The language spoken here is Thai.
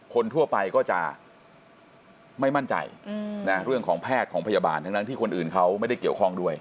คนทั่วไปก็จะไม่มั่นใจเรื่องของแพทย์ของพยาบาลทั้งที่คนอื่นเขาไม่ได้เกี่ยวข้องด้วย